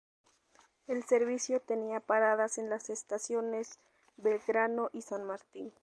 El servicio tenía paradas en las estaciones Belgrano y San Martín.